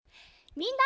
みんな！